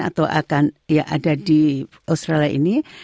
atau akan ya ada di australia ini